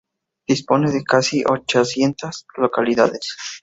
Dispone de casi ochocientas localidades.